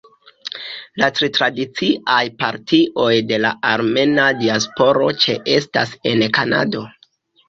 La tri tradiciaj partioj de la armena diasporo ĉeestas en Kanado.